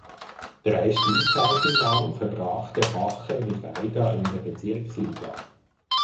Drei Spielzeiten lang verbrachte Hache mit Weida in der Bezirksliga.